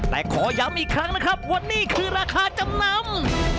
แต่ขอย้ำอีกครั้งนะครับว่านี่คือราคาจำนำ